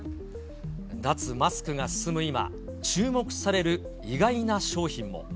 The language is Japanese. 脱マスクが進む今、注目される意外な商品も。